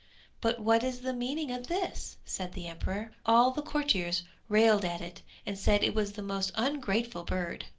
'But what is the meaning of this?' said the emperor. All the courtiers railed at it, and said it was a most ungrateful bird.